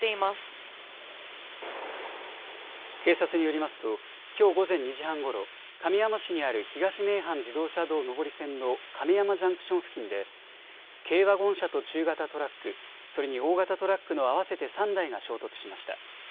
警察によりますときょう午前２時半ごろ亀山市にある東名阪自動車道上り線の亀山ジャンクション付近で軽ワゴン車と中型トラックそれに大型トラックの合わせて３台が衝突しました。